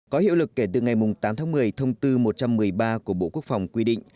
có hiệu lực kể từ ngày tám tháng một mươi thông tư một trăm một mươi ba của bộ quốc phòng quy định